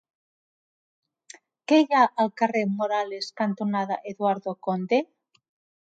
Què hi ha al carrer Morales cantonada Eduardo Conde?